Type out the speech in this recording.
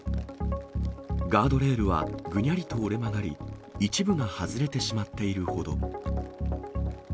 ガードレールはぐにゃりと折れ曲がり、一部が外れてしまっているほど。